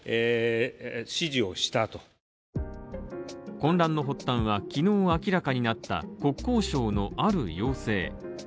混乱の発端は昨日明らかになった国交省のある要請